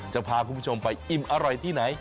จะพาคุณผู้ชมไปอิ่มอร่อยที่ไหน